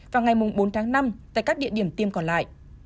và ngày mùng bốn tháng năm tại các địa điểm tiêm còn lại